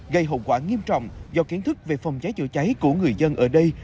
gây hậu quả nghiêm trọng do kiến thức về phòng cháy chữa cháy của người dân ở đây